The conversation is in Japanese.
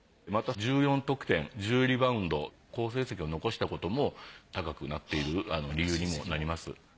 また１４得点１０リバウンド好成績を残したことも高くなっている理由にもなります。